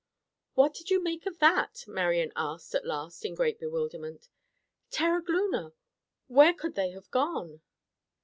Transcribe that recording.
"What did you make of that?" Marian asked at last in great bewilderment. "Terogloona, where could they have gone?"